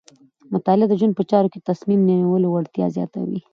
مطالعه د ژوند په چارو کې د تصمیم نیولو وړتیا زیاتوي.